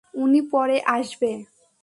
উনি পরে আসবে।